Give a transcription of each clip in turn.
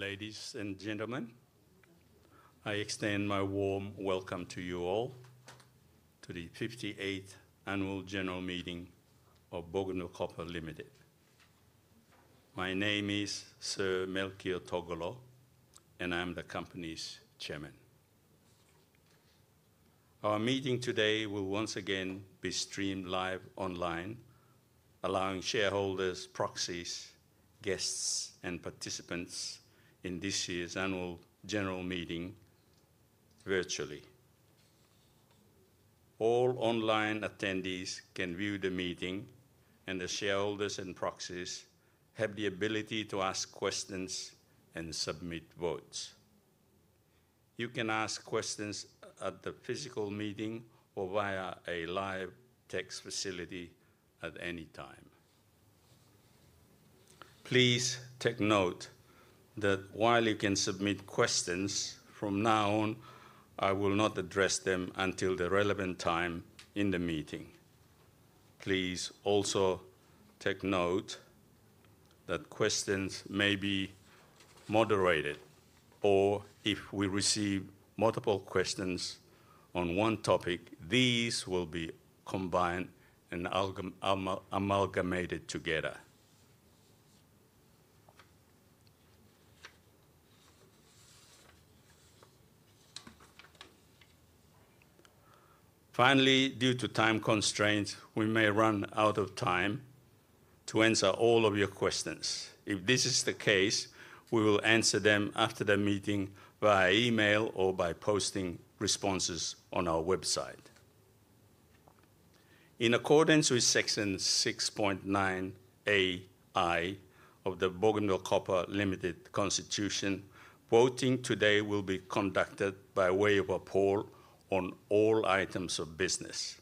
Ladies and gentlemen, I extend my warm welcome to you all to the 58th Annual General Meeting of Bougainville Copper Limited. My name is Sir Melchior Togolo, and I'm the company's Chairman. Our meeting today will once again be streamed live online, allowing shareholders, proxies, guests, and participants in this year's Annual General Meeting virtually. All online attendees can view the meeting, and the shareholders and proxies have the ability to ask questions and submit votes. You can ask questions at the physical meeting or via a live text facility at any time. Please take note that while you can submit questions, from now on, I will not address them until the relevant time in the meeting. Please also take note that questions may be moderated, or if we receive multiple questions on one topic, these will be combined and amalgamated together. Finally, due to time constraints, we may run out of time to answer all of your questions. If this is the case, we will answer them after the meeting via email or by posting responses on our website. In accordance with Section 6.9AI of the Bougainville Copper Limited Constitution, voting today will be conducted by way of a poll on all items of business.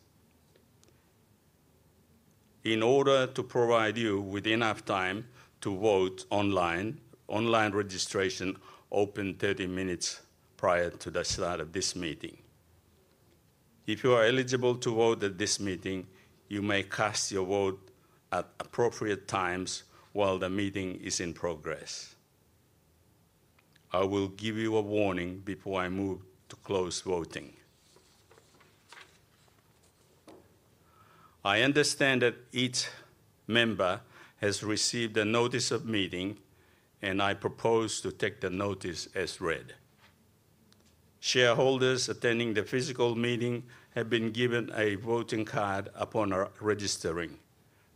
In order to provide you with enough time to vote online, online registration opened 30 minutes prior to the start of this meeting. If you are eligible to vote at this meeting, you may cast your vote at appropriate times while the meeting is in progress. I will give you a warning before I move to close voting. I understand that each member has received a notice of meeting, and I propose to take the notice as read. Shareholders attending the physical meeting have been given a voting card upon registering.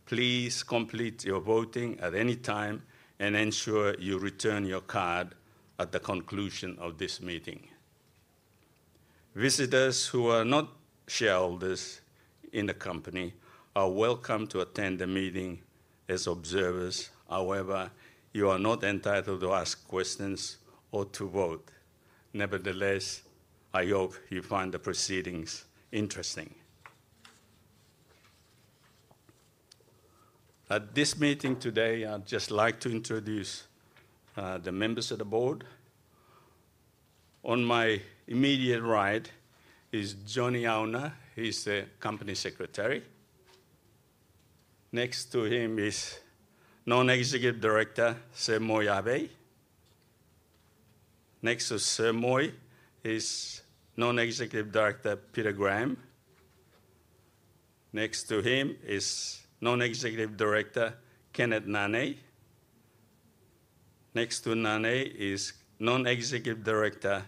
Please complete your voting at any time and ensure you return your card at the conclusion of this meeting. Visitors who are not shareholders in the company are welcome to attend the meeting as observers. However, you are not entitled to ask questions or to vote. Nevertheless, I hope you find the proceedings interesting. At this meeting today, I'd just like to introduce the members of the board. On my immediate right is Johnny Auna. He's the company Secretary. Next to him is Non-Executive Director Sir Moi Avei. Next to Sir Moi is Non-Executive Director Peter Graham. Next to him is Non-Executive Director Kearnneth Nanei. Next to Nanei is Non-Executive Director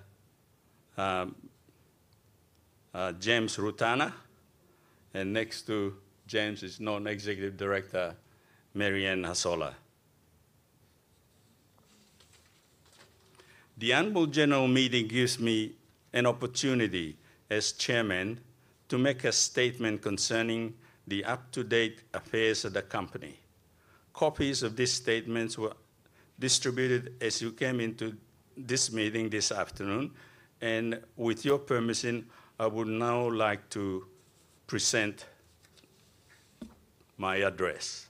James Rutana. And next to James is Non-Executive Director Maryanne Hasola. The Annual General Meeting gives me an opportunity, as Chairman, to make a statement concerning the up-to-date affairs of the company. Copies of these statements were distributed as you came into this meeting this afternoon. With your permission, I would now like to present my address.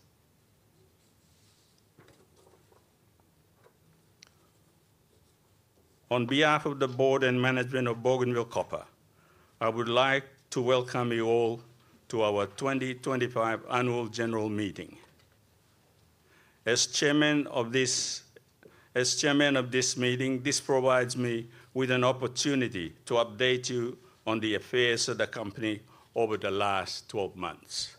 On behalf of the Board and Management of Bougainville Copper, I would like to welcome you all to our 2025 Annual General Meeting. As Chairman of this meeting, this provides me with an opportunity to update you on the affairs of the company over the last 12 months.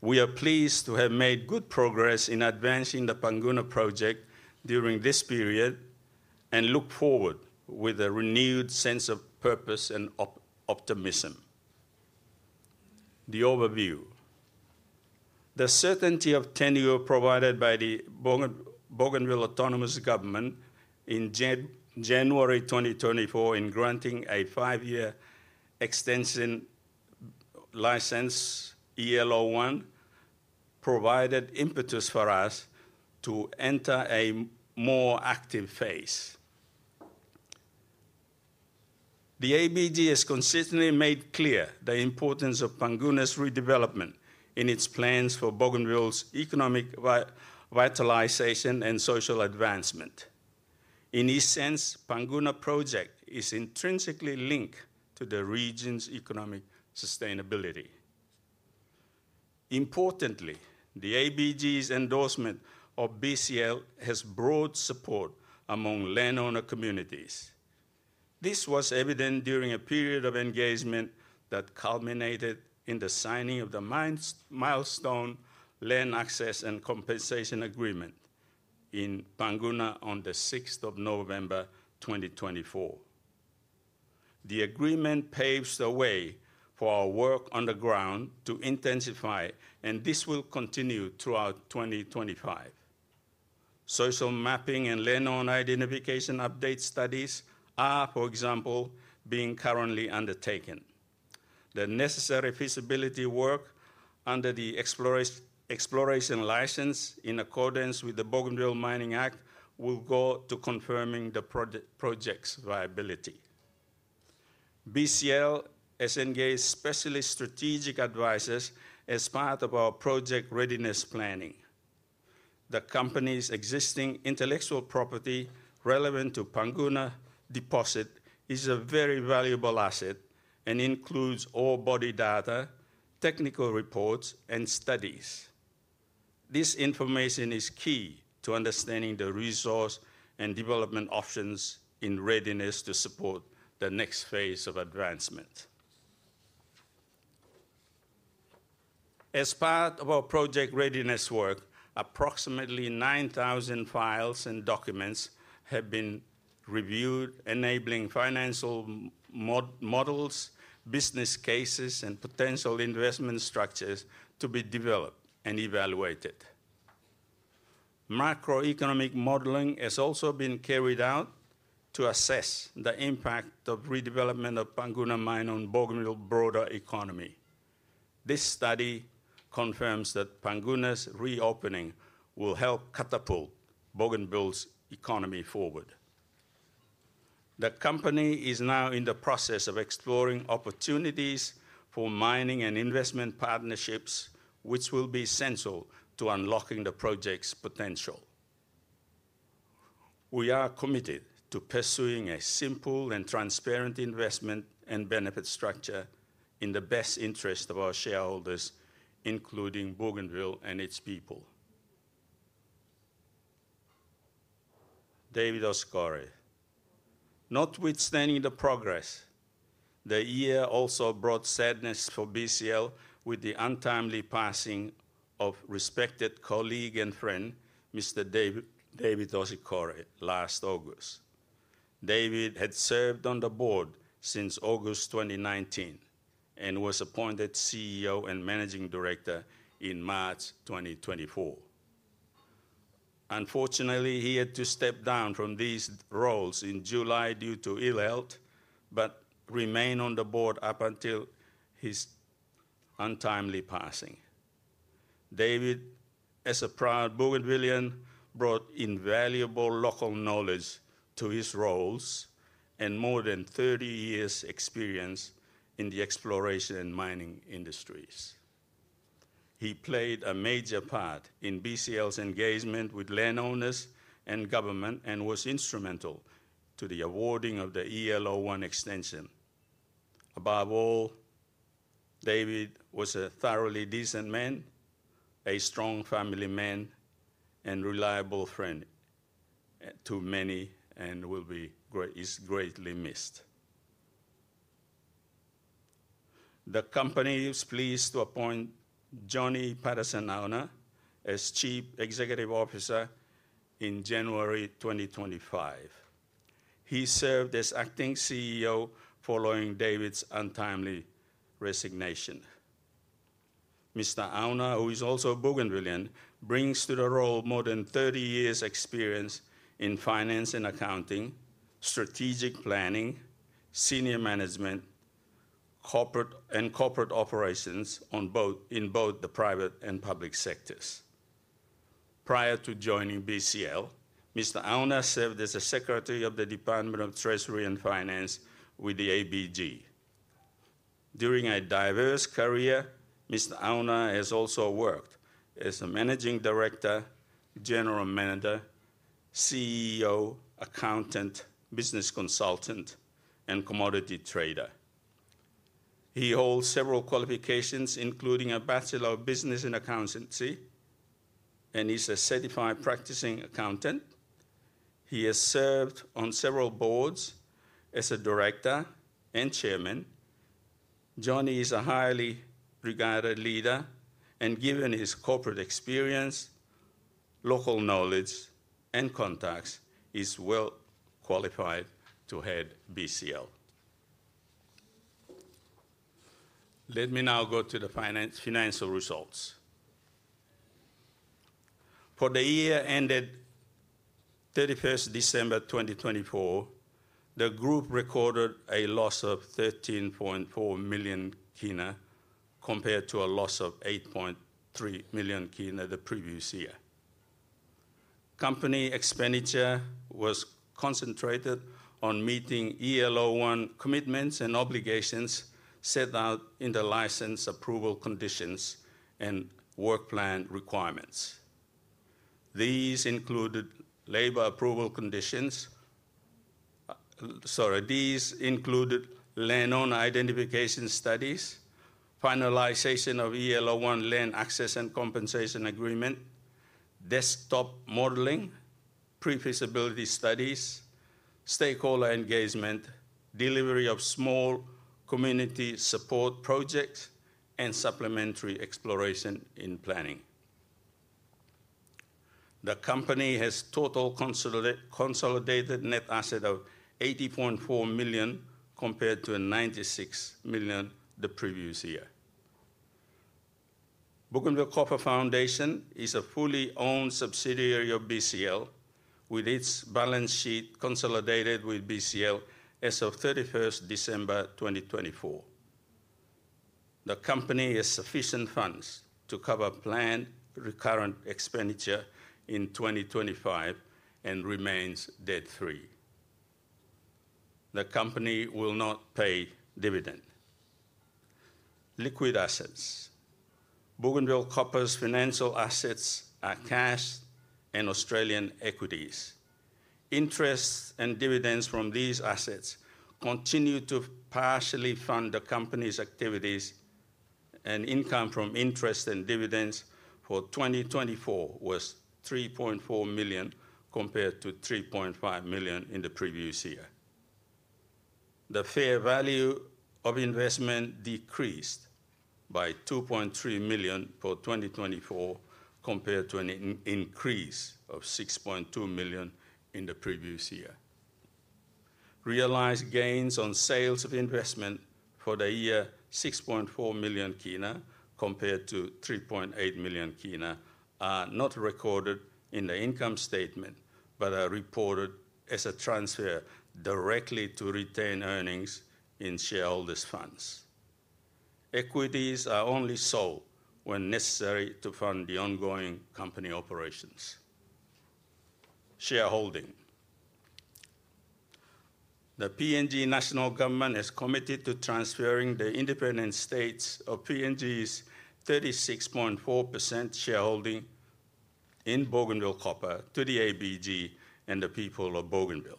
We are pleased to have made good progress in advancing the Panguna project during this period and look forward with a renewed sense of purpose and optimism. The overview. The certainty of tenure provided by the Autonomous Bougainville Government in January 2024 in granting a five-year extension license, ELO1, provided impetus for us to enter a more active phase. The ABG has consistently made clear the importance of Panguna's redevelopment in its plans for Bougainville's economic vitalization and social advancement. In this sense, Panguna project is intrinsically linked to the regions economic sustainability. Importantly, the ABG's endorsement of BCL has broad support among landowner communities. This was evident during a period of engagement that culminated in the signing of the Milestone Land Access and Compensation Agreement in Panguna on the 6th of November, 2024. The agreement paves the way for our work on the ground to intensify, and this will continue throughout 2025. Social mapping and landowner identification update studies are, for example, being currently undertaken. The necessary feasibility work under the exploration license, in accordance with the Bougainville Mining Act, will go to confirming the project's viability. BCL has engaged specialist strategic advisors as part of our project readiness planning. The company's existing intellectual property relevant to Panguna deposit is a very valuable asset and includes all body data, technical reports, and studies. This information is key to understanding the resource and development options in readiness to support the next phase of advancement. As part of our project readiness work, approximately 9,000 files and documents have been reviewed, enabling financial models, business cases, and potential investment structures to be developed and evaluated. Macroeconomic modeling has also been carried out to assess the impact of redevelopment of Panguna mine on Bougainville broader economy. This study confirms that Panguna's reopening will help catapult Bougainville's economy forward. The company is now in the process of exploring opportunities for mining and investment partnerships, which will be essential to unlocking the project's potential. We are committed to pursuing a simple and transparent investment and benefit structure in the best interest of our shareholders, including Bougainville and its people. David Osikore. Notwithstanding the progress, the year also brought sadness for BCL with the untimely passing of respected colleague and friend, Mr. David Osikore, last August. David had served on the board since August 2019 and was appointed CEO and Managing Director in March 2024. Unfortunately, he had to step down from these roles in July due to ill health but remained on the board up until his untimely passing. David, as a proud Bougainvillean, brought invaluable local knowledge to his roles and more than 30 years experience in the exploration and mining industries. He played a major part in BCL's engagement with landowners and government and was instrumental to the awarding of the ELO1 extension. Above all, David was a thoroughly decent man, a strong family man, and reliable friend to many and will be greatly missed. The company is pleased to appoint Johnny Patterson Auna as Chief Executive Officer in January 2025. He served as Acting CEO following David's untimely resignation. Mr. Auna, who is also a Bougainvillean, brings to the role more than 30 years experience in finance and accounting, strategic planning, senior management, and corporate operations in both the private and public sectors. Prior to joining BCL, Mr. Auna served as a Secretary of the Department of Treasury and Finance with the ABG. During a diverse career, Mr. Auna has also worked as a Managing Director, General Manager, CEO, Accountant, Business Consultant, and Commodity Trader. He holds several qualifications, including a Bachelor of Business in Accountancy, and he's a certified practicing accountant. He has served on several boards as a Director and Chairman. Johnny is a highly regarded leader, and given his corporate experience, local knowledge, and contacts, he's well qualified to head BCL. Let me now go to the financial results. For the year ended 31st December 2024, the Group recorded a loss of PGK 13.4 million compared to a loss of PGK 8.3 million the previous year. Company expenditure was concentrated on meeting ELO1 commitments and obligations set out in the license approval conditions and work plan requirements. These included landowner identification studies, finalization of ELO1 land access and compensation agreement, desktop modeling, pre-feasibility studies, stakeholder engagement, delivery of small community support projects, and supplementary exploration in planning. The company has total consolidated net asset of PGK 80.4 million compared to PGK 96 million the previous year. Bougainville Copper Foundation is a fully owned subsidiary of BCL, with its balance sheet consolidated with BCL as of 31st December 2024. The company has sufficient funds to cover planned recurrent expenditure in 2025 and remains debt free. The company will not pay dividend. Liquid assets. Bougainville Copper's financial assets are cash and Australian equities. Interests and dividends from these assets continue to partially fund the company's activities, and income from interest and dividends for 2024 was PGK 3.4 million compared to PGK 3.5 million in the previous year. The fair value of investment decreased by PGK 2.3 million for 2024 compared to an increase of PGK 6.2 million in the previous year. Realized gains on sales of investment for the year PGK 6.4 million compared to PGK 3.8 million are not recorded in the income statement but are reported as a transfer directly to retained earnings in shareholders funds. Equities are only sold when necessary to fund the ongoing company operations. Shareholding. The PNG National Government has committed to transferring the independent states of PNG's 36.4% shareholding in Bougainville Copper to the ABG and the people of Bougainville.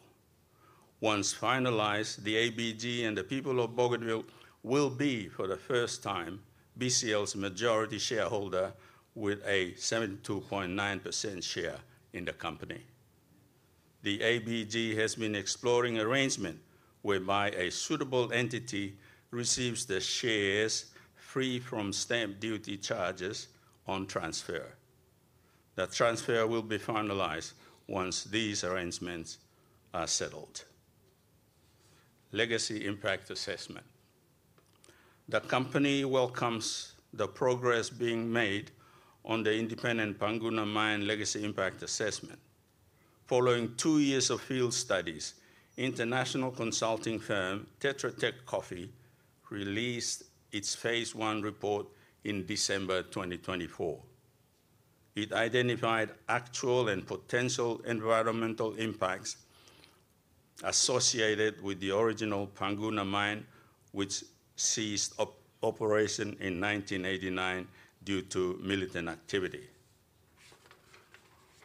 Once finalized, the ABG and the people of Bougainville will be, for the first time, BCL's majority shareholder with a 72.9% share in the company. The ABG has been exploring arrangements whereby a suitable entity receives the shares free from stamp duty charges on transfer. The transfer will be finalized once these arrangements are settled. Legacy Impact Assessment. The company welcomes the progress being made on the independent Panguna mine legacy impact assessment. Following two years of field studies, international consulting firm Tetra Tech Coffey released its phase one report in December 2024. It identified actual and potential environmental impacts associated with the original Panguna mine, which ceased operation in 1989 due to militant activity.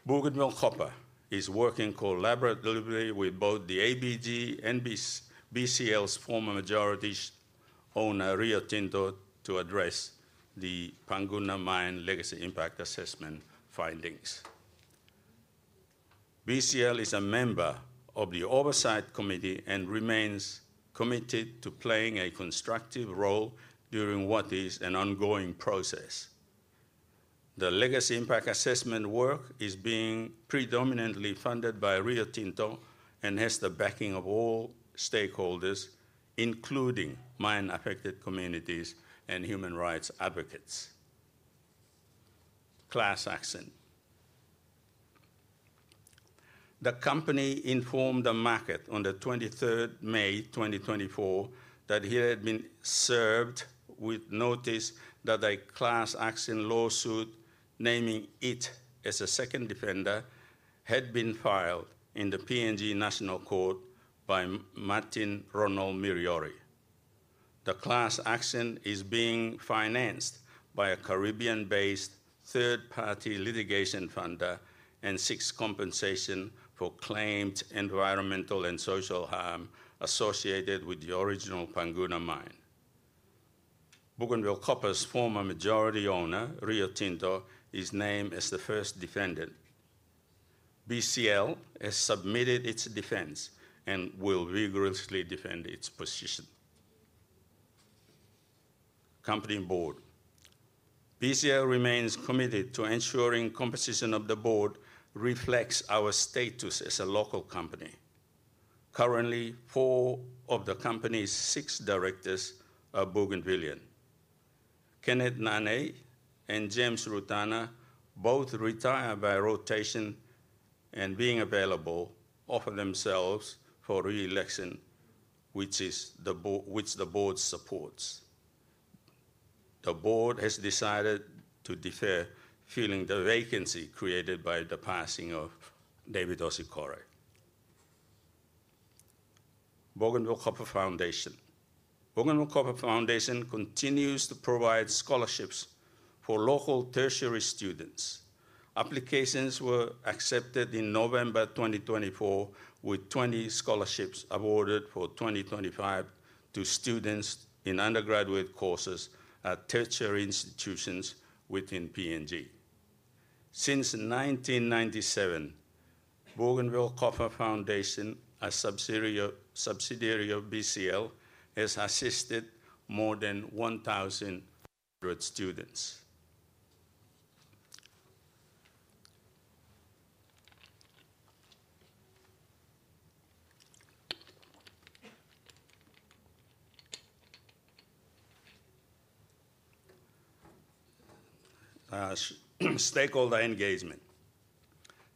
Bougainville Copper is working collaboratively with both the ABG and BCL's former majority owner Rio Tinto to address the Panguna mine legacy impact assessment findings. BCL is a member of the Oversight Committee and remains committed to playing a constructive role during what is an ongoing process. The legacy impact assessment work is being predominantly funded by Rio Tinto and has the backing of all stakeholders, including mine-affected communities and human rights advocates. Class action. The company informed the market on the 23rd May 2024 that it had been served with notice that a class action lawsuit naming it as a second defendant had been filed in the PNG National Court by Martin Ronald Miriori. The class action is being financed by a Caribbean-based third-party litigation funder and seeks compensation for claimed environmental and social harm associated with the original Panguna mine. Bougainville Copper's former majority owner, Rio Tinto, is named as the first defendant. BCL has submitted its defense and will vigorously defend its position. Company Board, BCL remains committed to ensuring composition of the board reflects our status as a local company. Currently, four of the company's six directors are Bougainvillean. Kearnneth Nanei and James Rutana, both retired by rotation and being available, offer themselves for reelection, which the board supports. The board has decided to defer filling the vacancy created by the passing of David Osikore. Bougainville Copper Foundation. Bougainville Copper Foundation continues to provide scholarships for local tertiary students. Applications were accepted in November 2024, with 20 scholarships awarded for 2025 to students in undergraduate courses at tertiary institutions within PNG. Since 1997, Bougainville Copper Foundation, a subsidiary of BCL, has assisted more than 1,000 students. Stakeholder engagement,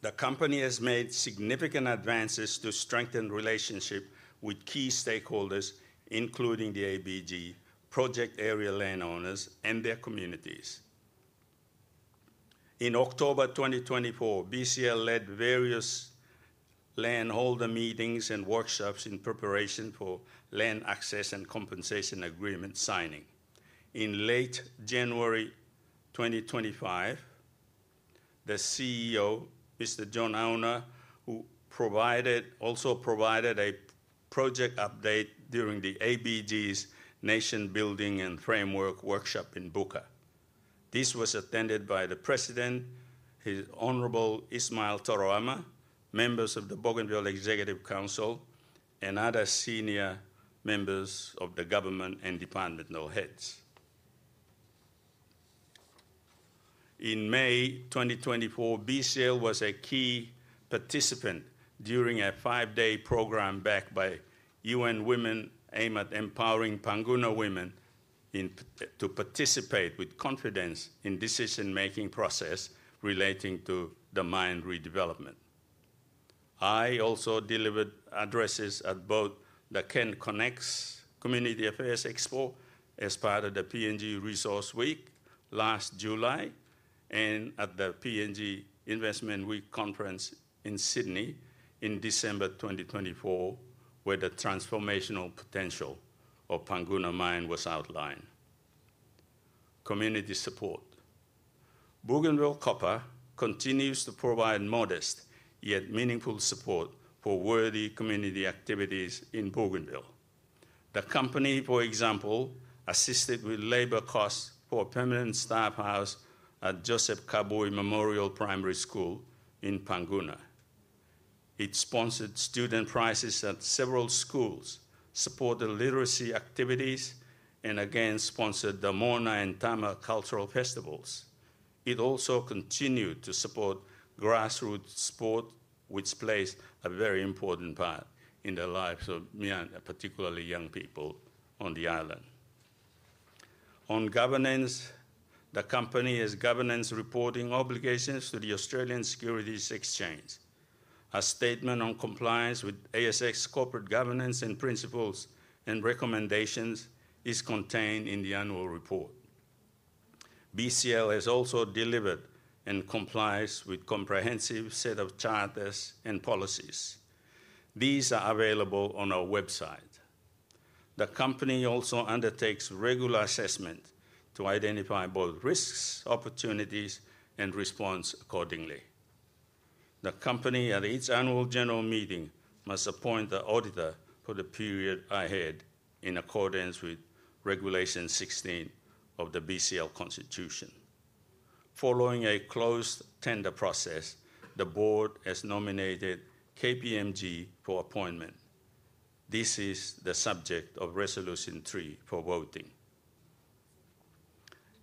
the company has made significant advances to strengthen relationships with key stakeholders, including the ABG, project area landowners, and their communities. In October 2024, BCL led various landholder meetings and workshops in preparation for land access and compensation agreement signing. In late January 2025, the CEO, Mr. Johnny Auna, also provided a project update during the ABG's Nation Building and Framework workshop in Buka. This was attended by the President, His Honorable Ishmal Toroama, members of the Bougainville Executive Council, and other senior members of the government and departmental heads. In May 2024, BCL was a key participant during a five-day program backed by UN Women aimed at empowering Panguna women to participate with confidence in the decision-making process relating to the mine redevelopment. I also delivered addresses at both the Kent Connects Community Affairs Expo as part of the PNG Resource Week last July and at the PNG Investment Week conference in Sydney in December 2024, where the transformational potential of Panguna mine was outlined. Community support. Bougainville Copper continues to provide modest yet meaningful support for worthy community activities in Bougainville. The company, for example, assisted with labor costs for a permanent staff house at Joseph Kabui Memorial Primary School in Panguna. It sponsored student prizes at several schools, supported literacy activities, and again sponsored the Mona and Tama cultural festivals. It also continued to support grassroots sport, which plays a very important part in the lives of particularly young people on the island. On governance, the company has governance reporting obligations to the Australian Securities Exchange. A statement on compliance with ASX corporate governance principles and recommendations is contained in the annual report. BCL has also delivered and complies with a comprehensive set of charters and policies. These are available on our website. The company also undertakes regular assessment to identify both risks and opportunities, and responds accordingly. The company, at its annual general meeting, must appoint the auditor for the period ahead in accordance with Regulation 16 of the BCL Constitution. Following a closed tender process, the Board has nominated KPMG for appointment. This is the subject of Resolution 3 for voting.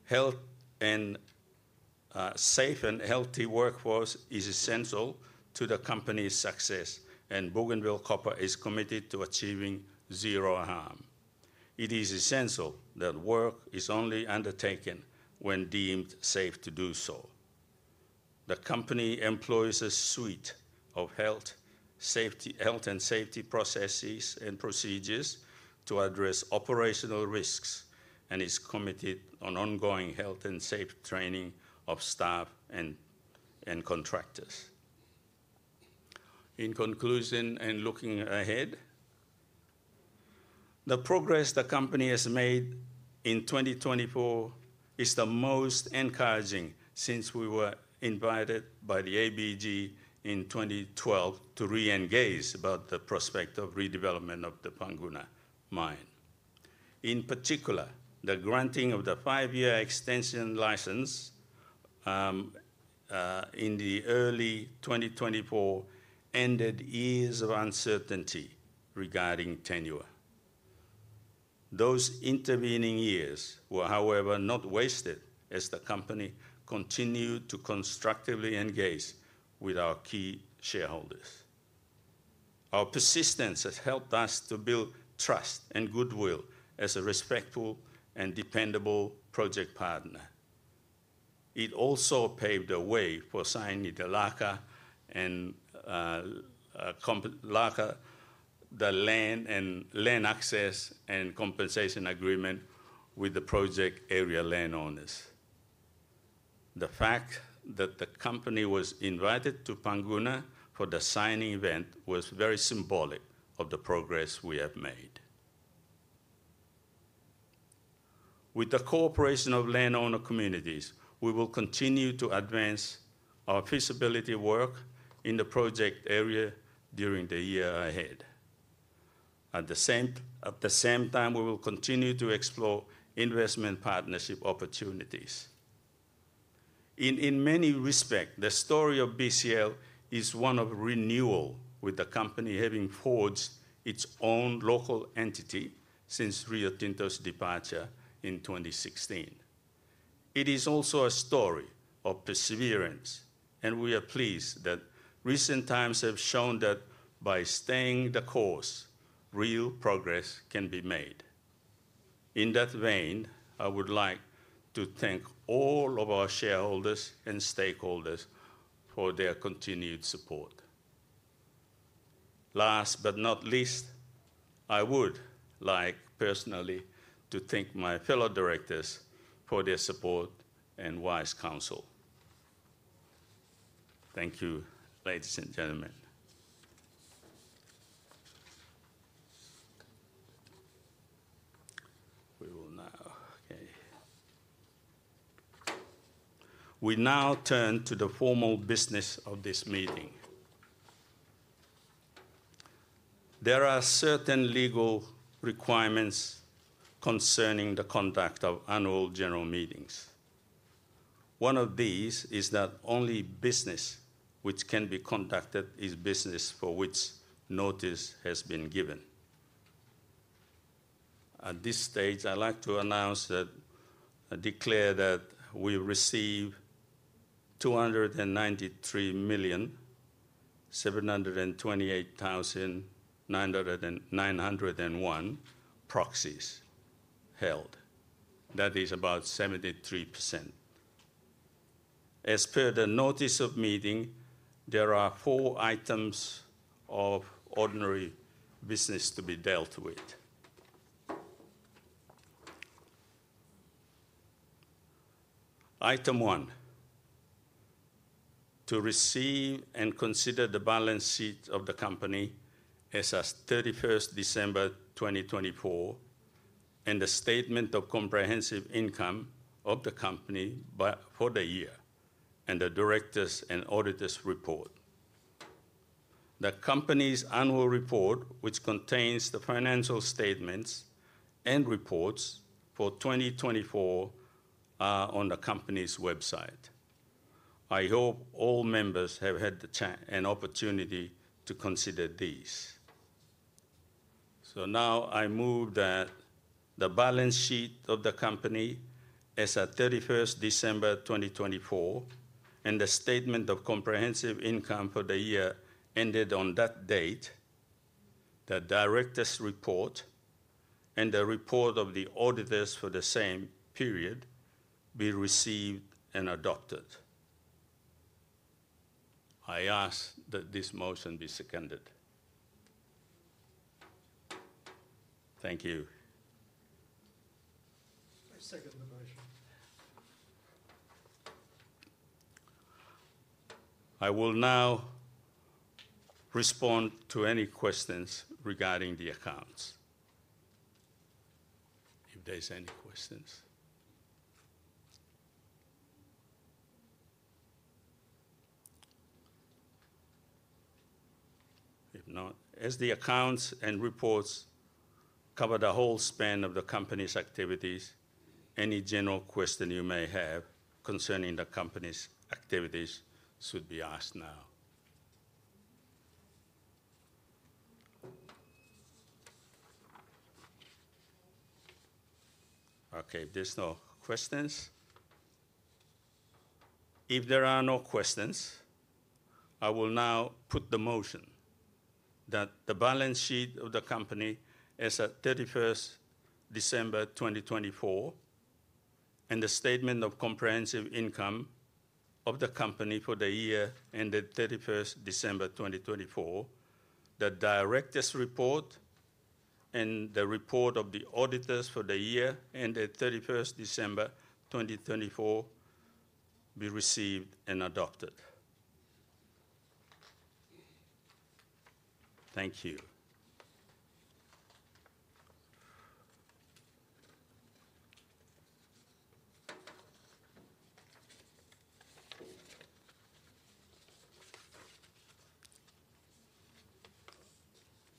Health and safe and healthy workforce is essential to the company's success, and Bougainville Copper is committed to achieving zero harm. It is essential that work is only undertaken when deemed safe to do so. The company employs a suite of health and safety processes and procedures to address operational risks and is committed to ongoing health and safety training of staff and contractors. In conclusion and looking ahead, the progress the company has made in 2024 is the most encouraging since we were invited by the ABG in 2012 to re-engage about the prospect of redevelopment of the Panguna mine. In particular, the granting of the five-year extension license in early 2024 ended years of uncertainty regarding tenure. Those intervening years were, however not wasted as the company continued to constructively engage with our key shareholders. Our persistence has helped us to build trust and goodwill as a respectful and dependable project partner. It also paved the way for signing the LACA Land Access and Compensation Agreement with the project area landowners. The fact that the company was invited to Panguna for the signing event was very symbolic of the progress we have made. With the cooperation of landowner communities, we will continue to advance our feasibility work in the project area during the year ahead. At the same time, we will continue to explore investment partnership opportunities. In many respects, the story of BCL is one of renewal, with the company having forged its own local entity since Rio Tinto's departure in 2016. It is also a story of perseverance, and we are pleased that recent times have shown that by staying the course, real progress can be made. In that vein, I would like to thank all of our shareholders and stakeholders for their continued support. Last but not least, I would like personally to thank my fellow directors for their support and wise counsel. Thank you, ladies and gentlemen. We will now, okay. We now turn to the formal business of this meeting. There are certain legal requirements concerning the conduct of annual general meetings. One of these is that only business which can be conducted is business for which notice has been given. At this stage, I'd like to announce that I declare that we receive 293,728,901 proxies held. That is about 73%. As per the notice of meeting, there are four items of ordinary business to be dealt with. Item one, to receive and consider the balance sheet of the company as of 31st December 2024 and the statement of comprehensive income of the company for the year and the directors and auditors report. The company's annual report, which contains the financial statements and reports for 2024, is on the company's website. I hope all members have had an opportunity to consider these. Now I move that the balance sheet of the company as of 31st December 2024 and the statement of comprehensive income for the year ended on that date, the directors' report, and the report of the auditors for the same period be received and adopted. I ask that this motion be seconded. Thank you. I second the motion. I will now respond to any questions regarding the accounts. If there's any questions. If not, as the accounts and reports cover the whole span of the company's activities, any general question you may have concerning the company's activities should be asked now. Okay, there's no questions. If there are no questions, I will now put the motion that the balance sheet of the company as of 31st December 2024 and the statement of comprehensive income of the company for the year ended 31st December 2024, the directors report and the report of the auditors for the year ended 31st December 2024 be received and adopted. Thank you.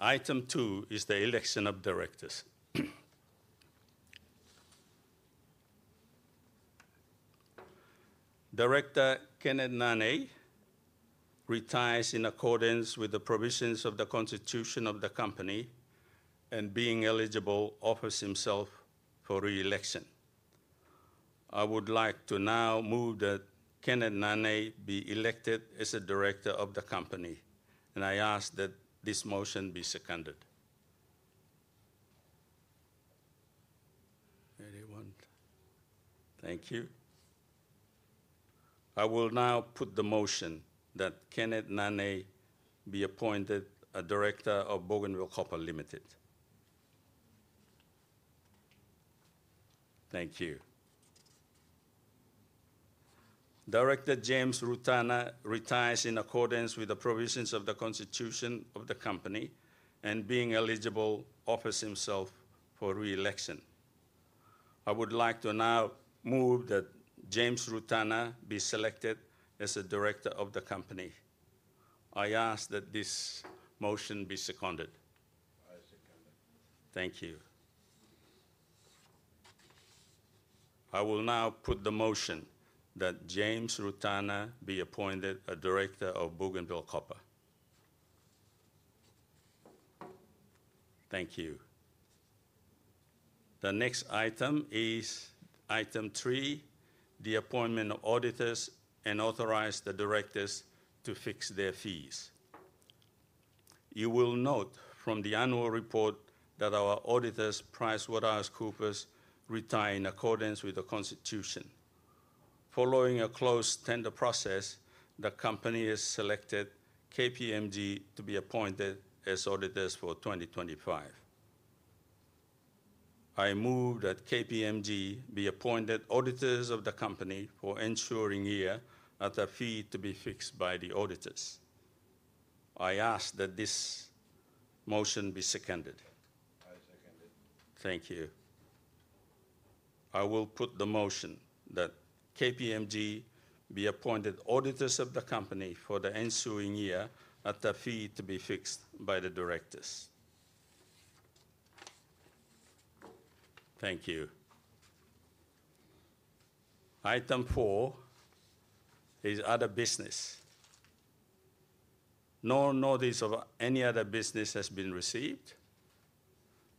Item two is the election of directors. Director Kearnneth Nanei retires in accordance with the provisions of the Constitution of the Company and, being eligible, offers himself for reelection. I would like to now move that Kearnneth Nanei be elected as a director of the Company, and I ask that this motion be seconded. Anyone? Thank you. I will now put the motion that Kearnneth Nanei be appointed a director of Bougainville Copper Limited. Thank you. Director James Rutana retires in accordance with the provisions of the Constitution of the company and, being eligible, offers himself for reelection. I would like to now move that James Rutana be selected as a director of the company. I ask that this motion be seconded. I second it. Thank you. I will now put the motion that James Rutana be appointed a director of Bougainville Copper. Thank you. The next item is item three, the appointment of auditors and authorize the directors to fix their fees. You will note from the annual report that our auditors, PricewaterhouseCoopers, retire in accordance with the Constitution. Following a closed tender process, the company has selected KPMG to be appointed as auditors for 2025. I move that KPMG be appointed auditors of the company for the ensuing year that the fee to be fixed by the auditors. I ask that this motion be seconded. I second it. Thank you. I will put the motion that KPMG be appointed auditors of the company for the ensuing year that the fee to be fixed by the directors. Thank you. Item four is other business. No notice of any other business has been received.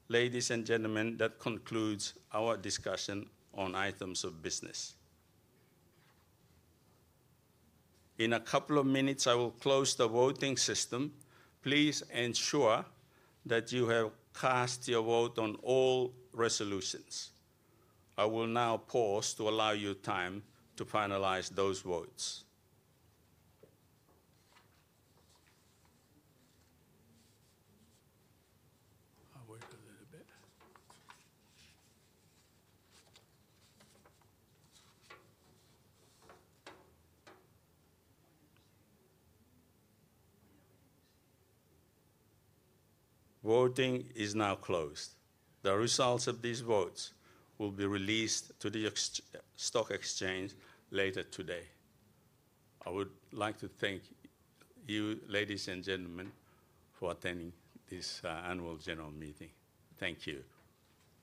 Ladies and gentlemen, that concludes our discussion on items of business. In a couple of minutes, I will close the voting system. Please ensure that you have cast your vote on all resolutions. I will now pause to allow you time to finalize those votes. I'll wait a little bit. Voting is now closed. The results of these votes will be released to the stock exchange later today. I would like to thank you, ladies and gentlemen, for attending this annual general meeting. Thank you.